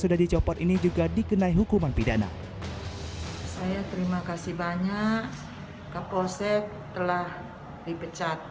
sudah dicopot ini juga dikenai hukuman pidana saya terima kasih banyak kapolsek telah dipecat